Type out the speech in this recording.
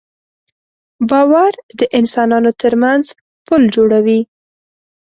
باور د انسانانو تر منځ پُل جوړوي.